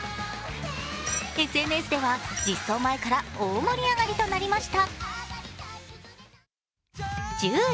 ＳＮＳでは、実装前から大盛り上がりとなりました。